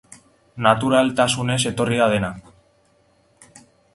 Naturaltasunez etorri da dena.